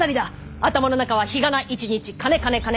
頭の中は日がな一日金金金！